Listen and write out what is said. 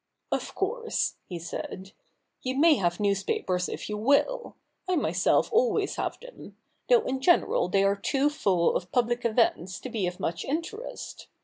' Of course,' he said, ' you may have newspapers if you will : I myself always have them ; though in general they are too full of public events to be of much interest.